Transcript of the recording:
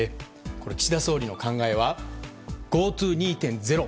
岸田総理の考えはＧｏＴｏ２．０。